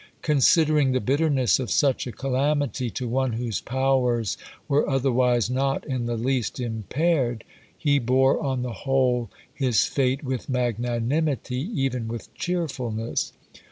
Considering the bitterness of such a calamity to one whose powers were otherwise not in the least impaired, he bore on the whole his fate with magnanimity, even with cheerfulness.